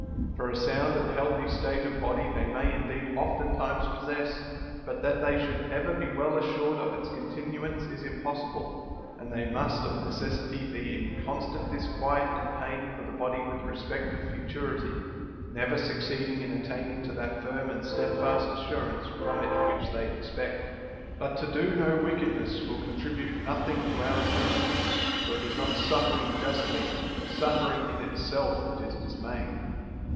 For a sound and healthy state of body they may indeed oftentimes possess, but that they should ever be well assured of its continuance is impossible ; and they must of necessity be in constant disquiet and pain for the body with respect to futurity, never succeeding in at taining to that firm and steadfast assurance from it which they expect. But to do no wickedness will contribute noth ing to our assurance ; for it is not suffering justly but suffering in itself that is dismaying.